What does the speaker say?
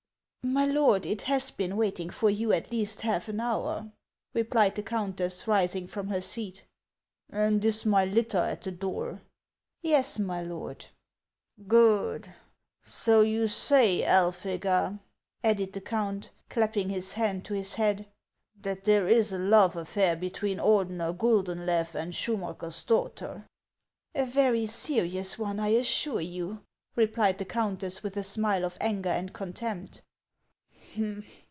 "" My lord, it has been waiting for you at least half an hour," replied the countess, rising from her seat. " And is my litter at the door ?"" Yes, my lord." 426 HANS OF ICELAND. " Good ! So you say, Elphega," added the count, clapping his hand to his head, "that there is a love affair between Ordener Guldenlew and Schumacker's daughter ?"" A very serious one, I assure you," replied the countess, with a smile of anger and contempt.